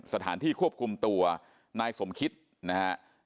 สถานที่ควบคุมตัวนายสมคิตนะฮะ